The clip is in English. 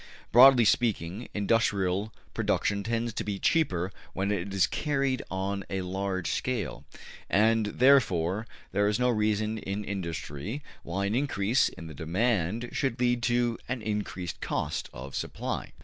Broadly speaking, industrial production tends to be cheaper when it is carried on on a large scale, and therefore there is no reason in industry why an increase in the demand should lead to an increased cost of supply.